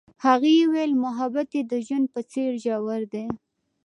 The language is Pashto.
هغې وویل محبت یې د ژوند په څېر ژور دی.